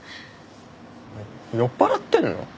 酔っ払ってんの？